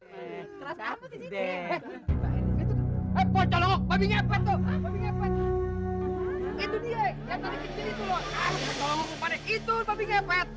itu tapi ngepet kita hilang